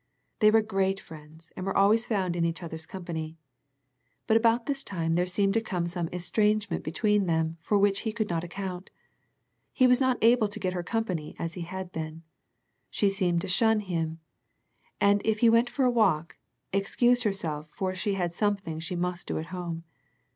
They were great friends, and were always found in each other's company. But about this time there seemed to come some estrangement between them for which he could not account. He was not able to get her company as he had been. She seemed to shun him, and if he went for a walk, excused herself for she had something she must do at home.